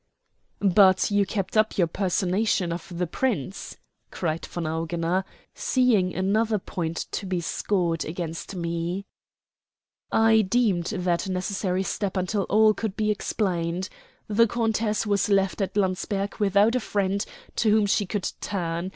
"But you kept up your personation of the Prince," cried von Augener, seeing another point to be scored against me. "I deemed that a necessary step until all could be explained. The countess was left at Landsberg without a friend to whom she could turn.